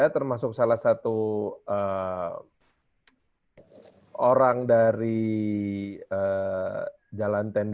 termasuk salah satu orang dari jalan tenda